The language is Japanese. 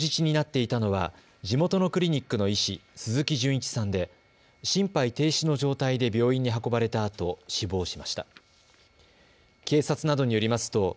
人質になっていたのは地元のクリニックの医師、鈴木純一さんで心肺停止の状態で病院に運ばれたあと死亡しました。